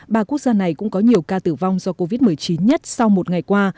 ba quốc gia này cũng có nhiều ca tử vong do covid một mươi chín nhất sau một ngày qua